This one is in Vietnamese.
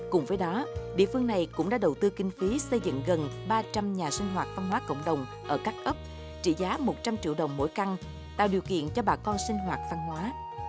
cùng với đó địa phương này cũng đã đầu tư kinh phí xây dựng gần ba trăm linh nhà sinh hoạt văn hóa cộng đồng ở các ấp trị giá một trăm linh triệu đồng mỗi căn tạo điều kiện cho bà con sinh hoạt văn hóa